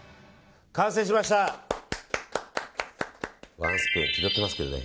ワンスプーン気取ってますけどね